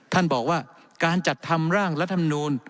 ท่านบอกว่าการจัดทำร่างรัฐมนูล